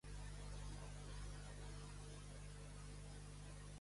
Perdió porque es una 'puta' tonta""...